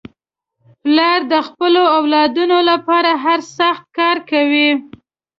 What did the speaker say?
پلار د خپلو اولادنو لپاره هر سخت کار کوي.